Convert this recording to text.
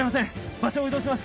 場所を移動します。